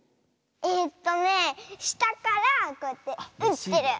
えっとねしたからこうやってうってる。